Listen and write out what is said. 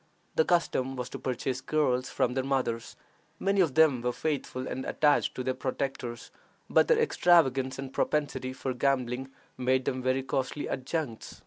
The custom was to purchase girls from their mothers. Many of them were faithful and attached to their protectors, but their extravagance and propensity for gambling made them very costly adjuncts.